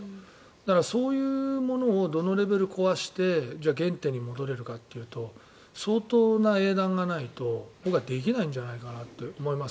だから、そういうものをどのレベル、壊してじゃあ、原点に戻れるかというと相当な英断がないと僕はできないんじゃないかと思います。